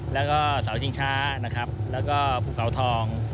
แล้วก็เสาชิงช้านะครับแล้วก็ภูเขาทอง